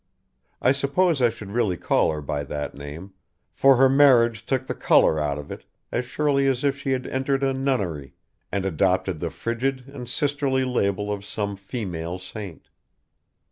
I suppose I should really call her by that name, for her marriage took the colour out of it as surely as if she had entered a nunnery, and adopted the frigid and sisterly label of some female saint.